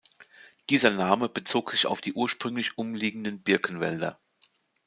Dieser Name bezog sich auf die ursprünglich umliegenden Birkenwälder.